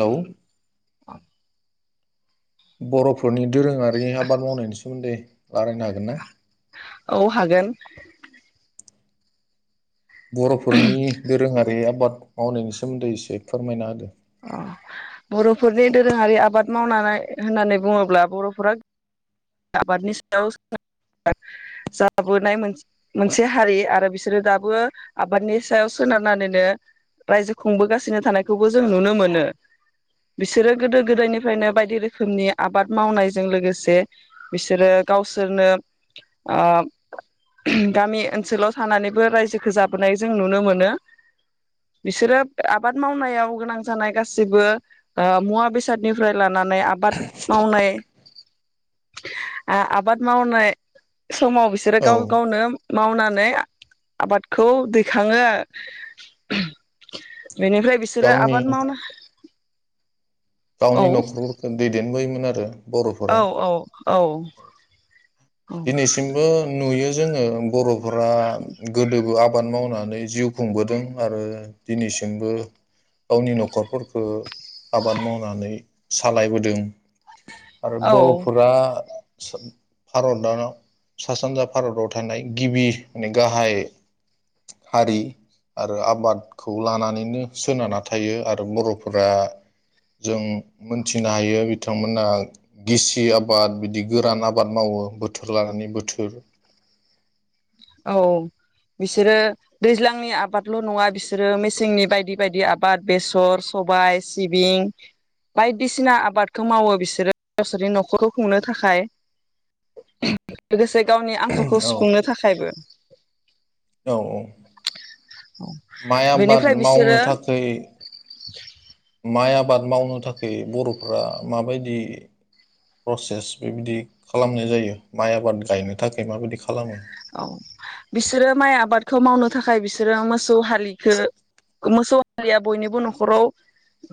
Hello [inaudible] बर'फोरनि दोरोङारि आबाद मावनायनि सोमोन्दै रायलायनो हागोन ना औ हागोन बर'फोरनि दोरोङारि आबाद मावनायनि सोमोन्दै एसे फोरमायना होदो अ बर'फोरनि दोरोङारि आबाद मावनानै होननानै बुङोब्ला बर'फोरा आबादनि सायाव सोनारनानै जाबोनाय मोनसे हारि आरो बिसोरो दाबो आबादनि सायाव सोनारनानैनो रायजो खुंबोगासिनो थानायखौबो जों नुनो मोनो बिसोरो गोदो गोदायनिफ्रायनो बायदि रोखोमनि आबाद मावनायजों लोगोसे बिसोरो गावसोरनो ओ गामि ओनसोलाव थानानैबो रायजोखौ जाबोनाय जों नुनो मोनो बिसोरो आबाद मावनायाव गोनां जानाय गासिबो मुवा बेसादनिफ्राय लानानै आबाद मावनाय आबाद मावनाय समाव बिसोरो औ गाव गावनो मावनानै आबादखौ दैखाङो बेनिफ्रा गावनि आबाद मावनो औ गावनि न'खरफोरखौ दैदेनबोयोमोन आरो बर'फोरा औ औ औ दिनैसिमबो नुयो जोङो बर' फोरा गोदोबो आब बाद मावनानै जिउ खुंबोदों आरो दिनैसिमबो गावनि न'खरफोरखौ आबाद मावनानै सालायबोदों आरो औ बर'फोरा सोब भारताव सा सानजा भारताव थानाय गिबि ने गाहाय हारि आरो आबादखौ लानानैनो सोनारना थायो आरो बर'फोरा जों मोनथिनो हायो बिथांमोना गिसि आबाद बिदि गोरान आबाद मावो। बोथोर लानानै बोथोर औ बिसोरो दैज्लांनि आबादल' नङा बिसोरो मेसेंनि बायदि बायदि आबाद बेसर सबाय सिबिं बायदिसिना आबादखौ मावो बिसोरो गावसोरनि न'खरखौ खुंनो थाखाय लोगोसे गावनि आंखालखौ औ सुफुंनो थाखायबो औ औ औ माइ आबाद बेनिफ्राय मावनो बिसोरो थाखै [inaudible] माइ आबाद मावनो थाखाय बर'फ्रा माबायदि प्रसेस बेबायदि खालामनाय जायो माइ आबाद गायनो थाखाय माबायदि खालामो औ बिसोरो माइ आबादखौ मावनो थाखाय बिसोरो मोसौ हाद लिखो मोसौ हालिया बयनिबो न'खराव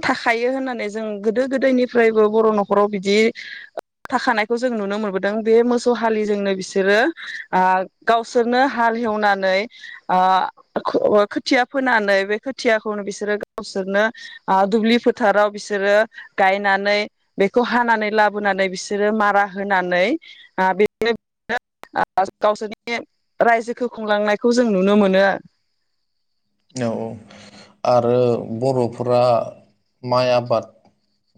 थाखायो होननानै जों गोदो गोदायनिफ्रायबो बर' न'खराव बिदि थाखानायखौ जों नुनो मोनबोदों बे मोसौ हालिजोंनो बिसोरो आ गावसोरनो हाल एवनानै ओ खो-खोथिया फोनानै बे खोथियाखौनो बिसोरो गावसोरनो आ दुब्लि फोथाराव बिसोरो गायनानै बेखौ हानानै लाबोनानै बिसोरो मारा होनानै आ [unintelligible] गावसोरनि नि रायजोखौ खुंलांनायखौ जों नुनो मोनो औ औ आरो बर'फोरा माइ आबाद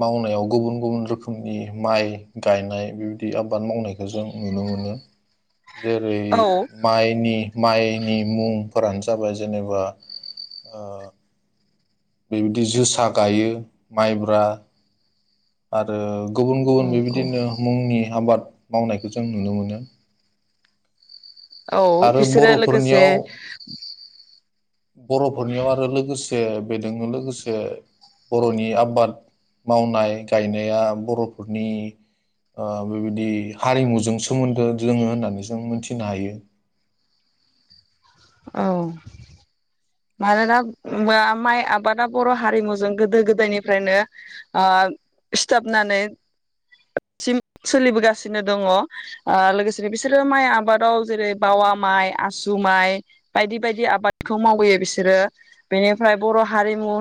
मावनायाव गुबुन गुबुन रोखोमनि माइ गायनाय बेबायदि आबाद मावनायखौ जों नुनो मोनो। जेरै औ माइनि माइनि मुंफोरानस जाबाय जेनेबा ओ बेबायदि जोसा गायो माइब्रा आरो गुबुन गुबुन बेबायदिनो मुंनि आबाद मावनायखौ जों नुनो मोनो औ आरो बिसोरो लोगोसे बर'फोरनियाव बर'फोरनियाव आरो लोगोसे ए बेजोंनो लोगोसे बर'नि आबाद मावनाय गायनाया बर'फोरनि ओ बेबायदि हारिमुजों सोमोन्दो दोङो होननानै जों मिथिनो हायो। औ मानोना माइ आबादा बर' हारिमुजों गोदो गोदायनिफ्रायनो ओ सिथाबनानै सिम सोलिबोगासिनो दङ ओ लोगोसेनो बिसोरो माइ आबादाव जेरै बावा माइ आसु माइ बायदि बायदि आबादखौ मावबोयो बिसोरो बेनिफ्राय बर' हारिमु ओ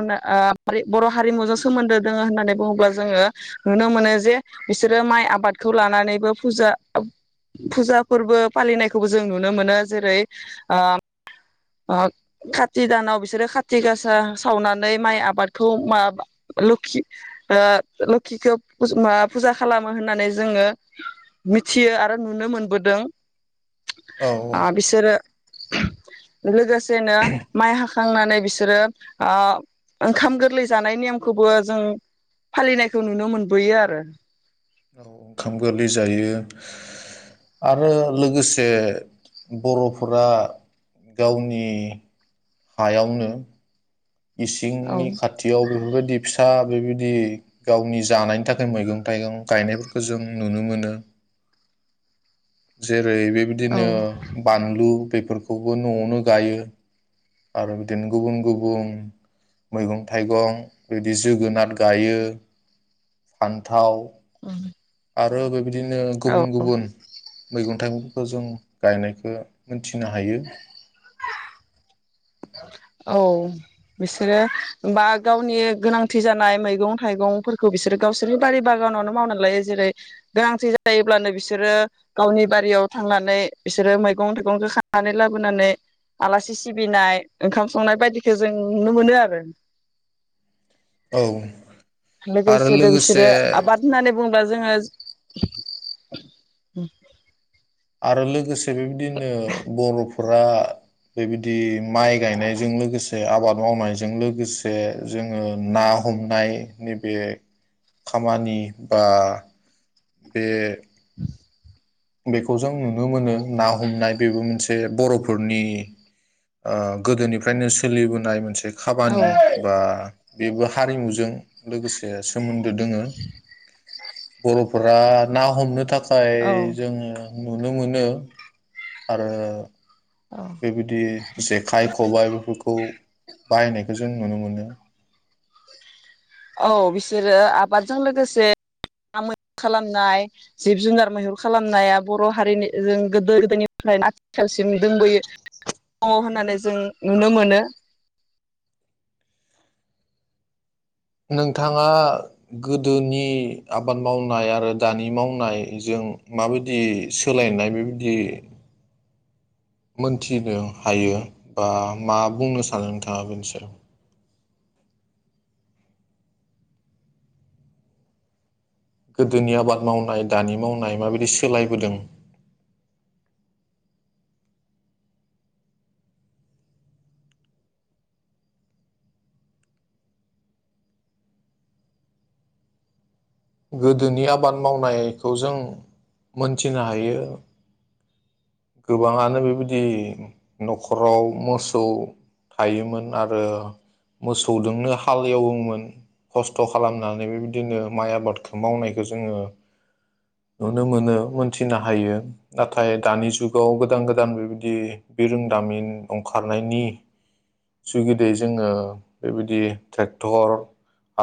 बर' हारिमुजों सोमोन्दो दोङ होननानै बुङोब्ला जोङो नुनो मोनो जे बिसोरो माइ आबादखौ लानानैबो फुजा-फुजा फोर्बोजा फोरबो फालिनायखौबो जों नुनो मोनो जेरै काति दानाव बिसोरो खाति गासा सावनानै माइ आबादखौ लोखि ओ लोखिखौ फुजा खालाम होननानै जोङो मिथियो आरो नुनो मोनबोदों। औ औ आ बिसोरो लोगोसेनो माइ हाखांनानै बिसोरो ओंखाम गोरलै जानाय नेयमखौबो जों फालिनायखौ नुनो मोनबोयो आरो। औ ओंखाम गोरलै जायो आरो लोगोसे बर'फोरा गावनि हायावनो औ इसिंनि खाथियाव बेफोरबायदि फिसा बेबायदि गावनि जानायनि थाखाय मैं थाइगं गायनायफोरखौ जों नुनो मोनो जे ओरै औ बेबायदिनो बानलु बेफोरखौबो न'आवनो गायो आरो बिदिनो गुबुन गुबुन मैगं थाइगं बिदि जोगोनार गायो फान्थाव उम। आरो बिदिनो गुबुन गुबुन मैगं थाइगंफोरखौ जों गायनायखौ फिसिनो हायो। औ बिसोरो होनबा गावनि गोनांथि जानाय मैगं थाइगंफोरखौ बिसोरो गावसोरनि बारि बागानावनो मावनानै लायो जेरै गोनांथि जायोब्लानो बिसोरो गावनि बारियाव थांनानै बिसोरो मैगं थाइगंखौ खानानै लाबोनानै आलासि सिबिनाय ओंखाम संनाय बायदिखौ जों नुनो मोनो आरो। औ। आरो लोगोसेबो लोगोसे बिसोरो आबाद होननानै बुङोब्ला जोङो उम। आरो लोगोसे बेबायदिनो बर'फोरा बेबायदि माइ गायनायजों लोगोसे आबाद मावनायजों लोगोसे जोङो ना हमनाय नैबे खामानि बा बे बेखौ जों नुनो मोनो ना हमनाय बेबो मोनसे बर'फोरनि ओ गोदोनिफ्रायनो सोलिबोनाय मोनसे औ खाबानि बा बेबो हारिमुजों लोगोसे सोमोन्दो दोङो बर'फोरा दा ना हमनो थाखाय थाय औ ओं नुनो मोनो आरो। औ बेबायदि जेखाइ-खबाय बेफोरखौ बाहायनायखौ जों नुनो मोनो। औ बिसोरो आबादजों लोगोसे मैहुर खालामनाय जिब जुनार मैहुर खालामनाया बर' हारिनि जों गोदो गोदनिफ्राय आथिखालसिम दोंबोयो दङ होननानै जों नुनो मोनो। नोंथाङा गोदोनि आबाद मावनाय आरो दानि मावनायजों माबायदि सोलायनाय बेबायदि मोनथिनो हायो बा मा बुंनो सानो नोंथाङा बेनोसै गोदोनि आबाद मावनाय दानि मावनाय माबायदि सोलायबोदों गोदोनि आबाद मावनायखौ जों मोनथिनो हायो। गोबाङानो बेबायदि न'खराव मोसौ थायोमोन आरो मोसौजोंनो हाल एवोमोन खस्थ' खालामनानै बेबायदिनो माइ आबादखौ मावनायखौ जोङो नुनो मोनो मोनथिनो हायो नाथाय दानि जुग गाव गोदान गोदान बेबायदि बिरोंदामिन ओंखारनायनि जुगिदै जोङो बेबायदि ट्रेक्टर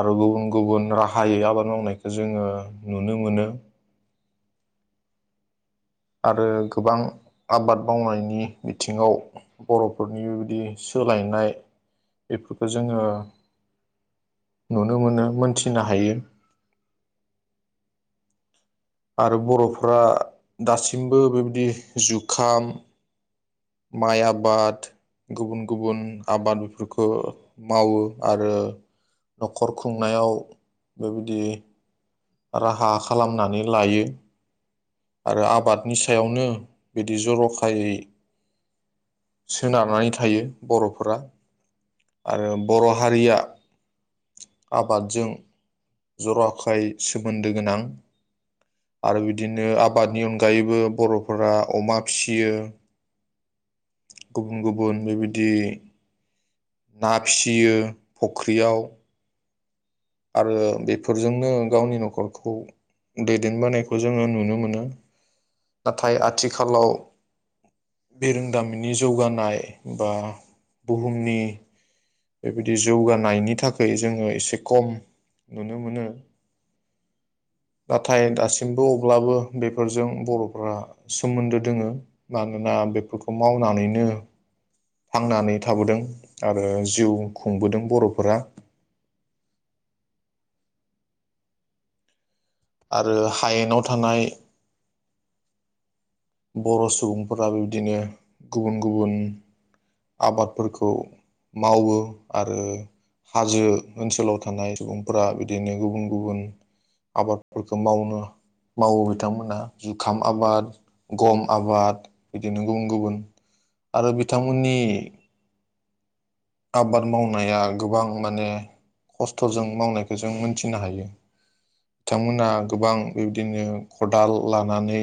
आरो गुबुन गुबुन राहायै आबाद मावनायखौ जोङो नुनो मोनो। आरो गोबां आबाद मावनायनि बिथिङाव बर'फोरनि बेबायदि सोलायनाय बेफोरखौ जोङो नुनो मोनो मोनथिनो हायो। आरो बर'फोरा दासिमबो बेबायदि जुखाम माइ आबाद गुबुन गुबुन आबाद बेफोरखौ मावो आरो न'खर खुंनायाव बेबायदि राहा खालामनानै लायो आरो आबादनि सायावनो बिदि ज र'खायै सोनारनानै थायो बर'फोरा आरो बर' हारिया आबादजों जर'ाखाय सोमोन्दो गोनां आरो बिदिनो आबादनि अनगायैबो बर'फोरा अमा फिसियो गुबुन गुबुन बेबायदि ना फिसियो फुख्रियाव आरो बेफोरजोंनो गावनि न'खरखौ दैदेनबोनायखौ जोङो नुनो मोनो नाथाय आथिखालाव बिरोंदामिननि जौगानाय बा बुहुमनि बेबायदि जौगानायनि थाखाय जोङो एसे खम नुनो मोनो नाथाय दासिमबो अब्लाबो बेफोरजों बर'फोरा सोमोन्दो दोङो मानोना बेफोरखौ मावनानैनो थांनानै थाबोदों आरो जिउ खुंबोदों बर'फोरा। आरो हायेनाव थानाय बर' सुबुंफोरा बेबदिनो गुबुन गुबुन आबादफोरखौ मावो आरो हाजो ओनसोलाव थानाय सुबुंफोरा बिदिनो गुबुन गुबुन आबादफोरखौ मावनो मावो बिथांमोना जुखाम आबाद गम आबाद बिदिनो गुबुन गुबुन आरो बिथांमोन मोननि आबाद मावनाया गोबां माने खस्थ'जों मावनायखौ जों मोनथिनो हायो बिथांमोना गोबां बेबदिनो खदाल लानानै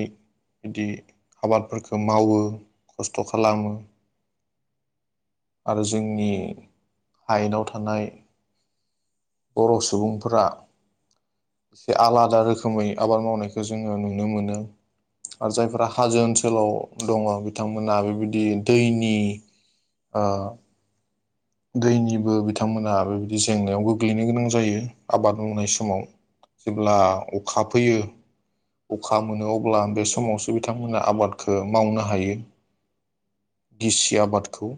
बिदि आबादफोरखौ मावो खस्थ' खालामो आरो जोंनि हायेनाव थानाय बर' सुबुंफोरा एसे आलादा रोखोमै आबाद मावनायखौ जोङो नुनो मोनो आरो जायफोरा हाजो ओनसोलाव दङ बिथांमोना बेबायदि दैनि ओ दैनिबो बिथांमोना बेबायदि जेंनायाव गोग्लैनो गोनां जायो आबाद मावनाय समाव जेब्ला अखा फैयो अखा मोनो अब्ला बे समावसो बिथांमोना आबादखौ मावनो हायो गिसि आबादखौ